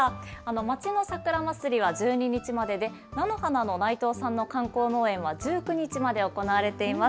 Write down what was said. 町の桜まつりは１２日までで、菜の花の内藤さんの観光農園は１９日まで行われています。